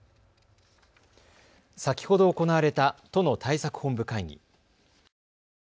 先ほど行われた都の対策本部会議。